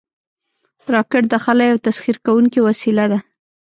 راکټ د خلا یو تسخیر کوونکی وسیله ده